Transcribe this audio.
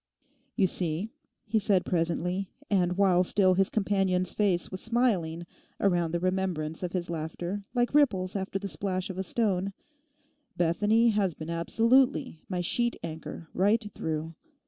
'You see,' he said presently, and while still his companion's face was smiling around the remembrance of his laughter like ripples after the splash of a stone, 'Bethany has been absolutely my sheet anchor right through.